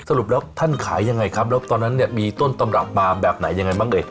สรุปแล้วท่านขายยังไงครับแล้วตอนนั้นเนี่ยมีต้นตำรับมาแบบไหนยังไงบ้างเอ่ย